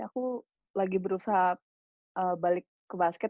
aku lagi berusaha balik ke basket